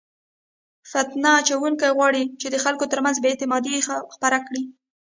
فتنه اچونکي غواړي چې د خلکو ترمنځ بې اعتمادي خپره کړي.